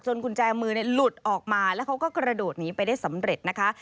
กุญแจมือหลุดออกมาแล้วเขาก็กระโดดหนีไปได้สำเร็จนะคะ